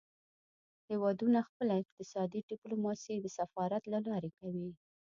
هیوادونه خپله اقتصادي ډیپلوماسي د سفارت له لارې کوي